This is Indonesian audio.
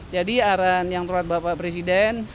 jadi arahan yang teruat bapak presiden